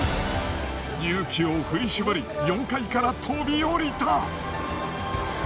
勇気を振り絞り４階から飛び降りた！